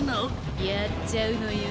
やっちゃうのよ。